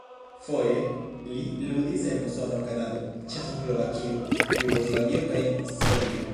Foje li ludis en Usono, Kanado, Ĉeĥoslovakio, Jugoslavio kaj en Svedio.